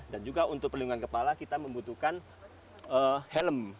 dan juga untuk perlindungan kepala kita membutuhkan helm